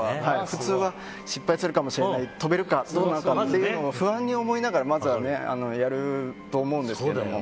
普通は、失敗するかもしれない跳べるかどうなのか不安に思いながらまずはやると思うんですけども。